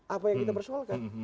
apa yang kita persoalkan